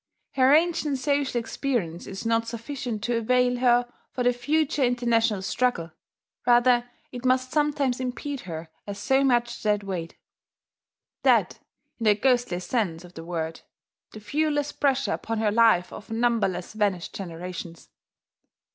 Her ancient social experience is not sufficient to avail her for the future international struggle, rather it must sometimes impede her as so much dead weight. Dead, in the ghostliest sense of the word, the viewless pressure upon her life of numberless vanished generations.